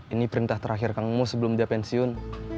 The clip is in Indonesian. ini perintah terakhir kangmu sebelum dia pensiun